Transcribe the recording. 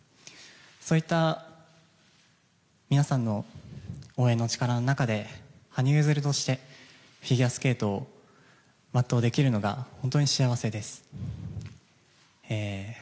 そういった皆さんの応援の力の中で羽生結弦としてフィギュアスケートを全うできるのが本当に幸せです。